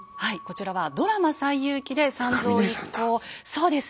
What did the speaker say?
そうです